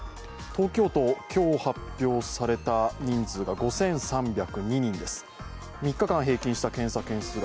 東京都、今日発表された人数が５３０２人です。